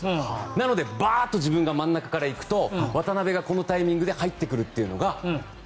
なのでバーッと自分が真ん中から行くと渡邊がこのタイミングで入ってくるのが。